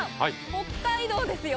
北海道ですよ！